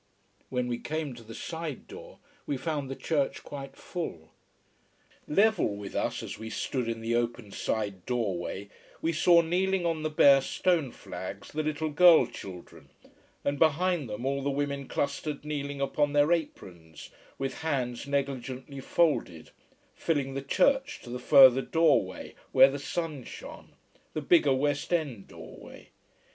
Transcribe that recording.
When we came to the side door we found the church quite full. Level with us as we stood in the open side doorway, we saw kneeling on the bare stoneflags the little girl children, and behind them all the women clustered kneeling upon their aprons, with hands negligently folded, filling the church to the further doorway, where the sun shone: the bigger west end doorway.